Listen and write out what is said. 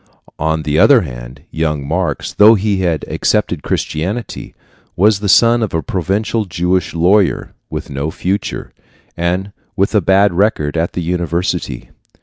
On the other hand, young Marx, though he had accepted Christianity, was the son of a provincial Jewish lawyer, with no fortune, and with a bad record at the university.